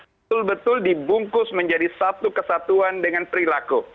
betul betul dibungkus menjadi satu kesatuan dengan perilaku